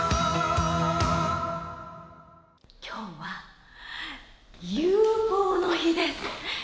今日はＵＦＯの日です。